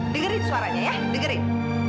dengar suaranya ya dengarin